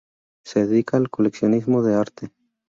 Se dedica al coleccionismo de arte.